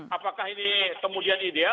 apakah ini kemudian ideal